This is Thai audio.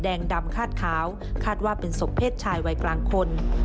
ดำคาดขาวคาดว่าเป็นศพเพศชายวัยกลางคน